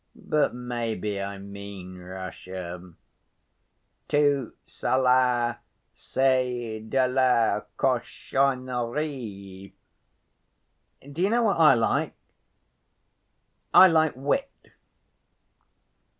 But maybe I mean Russia. Tout cela c'est de la cochonnerie.... Do you know what I like? I like wit."